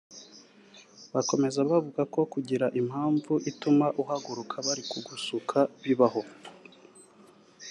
bakomeza bavuga ko kugira impamvu ituma uhaguruka bari kugusuka bibaho